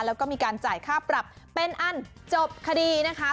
แล้วก็มีการจ่ายค่าปรับเป็นอันจบคดีนะคะ